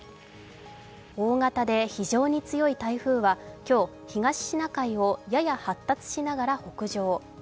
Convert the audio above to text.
大型で非常に強い台風は今日東シナ海をやや発達しながら北上。